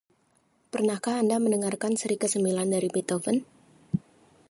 Pernahkah Anda mendengarkan seri kesembilan dari Beethoven?